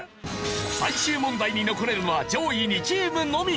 最終問題に残れるのは上位２チームのみ。